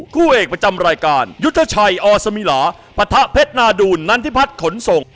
คู่เอกประจำรายการยุทธชัยอสมิลาปะทะเพชรนาดูลนนันทิพัฒน์ขนส่ง